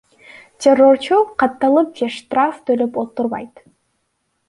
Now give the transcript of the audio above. Террорчу катталып же штраф төлөп олтурбайт.